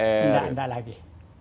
enggak ada lagi